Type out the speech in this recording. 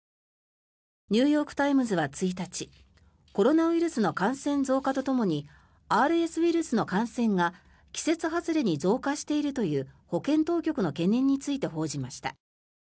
ニューヨーク・タイムズは１日コロナウイルスの感染増加とともにＲＳウイルスの感染が季節外れに増加しているという保健当局の懸念について報じました。